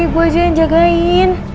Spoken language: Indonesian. gue aja yang jagain